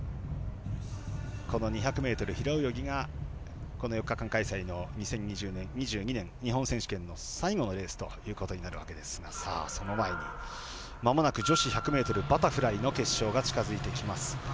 ２００ｍ平泳ぎがこの４日間開催の２０２２年日本選手権の最後のレースということになるわけですがその前に、まもなく女子１００ｍバタフライの決勝が近づいてきます。